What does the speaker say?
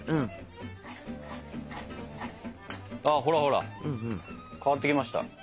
ほらほら変わってきました。